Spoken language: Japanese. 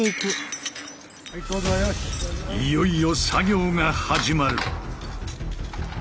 いよいよ作業が始まる。